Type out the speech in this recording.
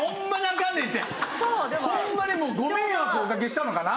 ホンマにもうご迷惑をおかけしたのかな？